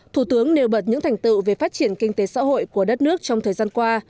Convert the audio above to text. thủ tướng nêu bật những thành tựu về phát triển kinh tế xã hội của đất nước trong thời gian qua